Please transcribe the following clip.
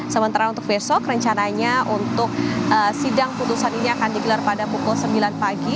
sementara untuk besok rencananya untuk sidang putusan ini akan digelar pada pukul sembilan pagi